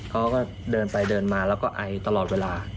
เขาก็เดินไปเดินมาแล้วก็ไอตลอดเวลา